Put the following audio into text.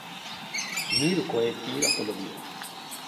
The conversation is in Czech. Míru Kojetín apod.